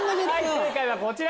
正解はこちら！